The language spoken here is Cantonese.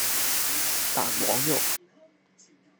蛋黃肉